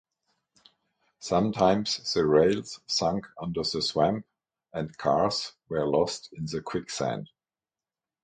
Sometimes the rails sunk under the swamp, and cars were lost in the quicksand.